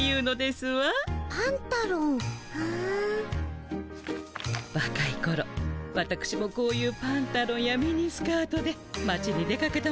わかいころわたくしもこういうパンタロンやミニスカートで町に出かけたものですわ。